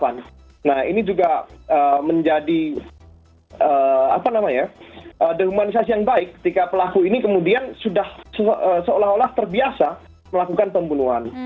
nah ini juga menjadi demonisasi yang baik ketika pelaku ini kemudian sudah seolah olah terbiasa melakukan pembunuhan